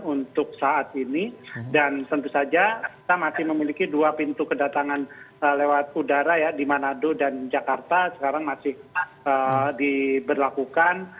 untuk saat ini dan tentu saja kita masih memiliki dua pintu kedatangan lewat udara ya di manado dan jakarta sekarang masih diberlakukan